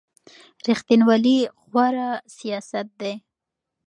ریښتینولي غوره سیاست دی.